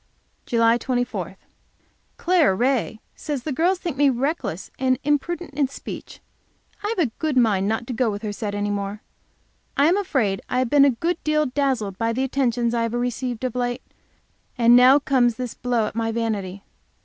JULY 24. Clara Ray says the girls think me reckless and imprudent in speech. I've a good mind not to go with her set any more. I am afraid I have been a good deal dazzled by the attentions I have received of late; and now comes this blow at my vanity.